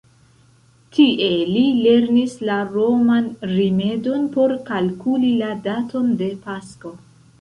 Tie li lernis la roman rimedon por kalkuli la daton de Pasko.